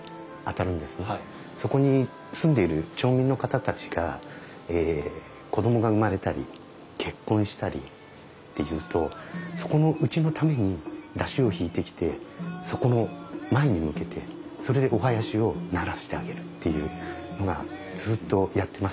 そこに住んでいる町民の方たちがえ子供が生まれたり結婚したりっていうとそこのうちのために山車を引いてきてそこの前に向けてそれでお囃子を鳴らしてあげるっていうのがずっとやってますね。